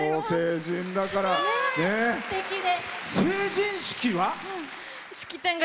成人式は？